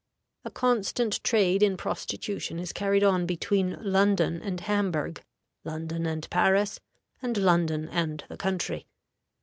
A constant trade in prostitution is carried on between London and Hamburg, London and Paris, and London and the country.